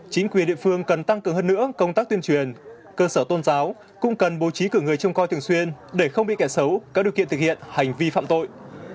chính quyền địa phương cần tăng cường hơn nữa công tác tuyên truyền cơ sở tôn giáo cũng cần bố trí cử người trông coi thường xuyên để không bị kẻ xấu có điều kiện thực hiện hành vi phạm tội